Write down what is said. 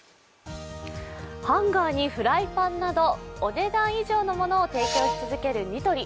ハンガーにフライパンなど「お、ねだん以上」のものを提供し続けるニトリ。